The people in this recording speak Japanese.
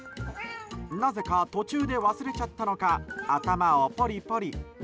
なぜか、途中で忘れちゃったのか頭をポリポリ。